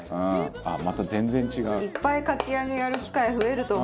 また全然違う」いっぱいかき揚げやる機会増えると思うんですよ